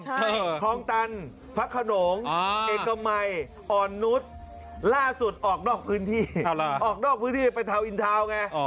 ใช่คลองตันพระขนงเอกมัยอ่อนนุษย์ล่าสุดออกนอกพื้นที่ออกนอกพื้นที่ไปทาวนอินทาวน์ไง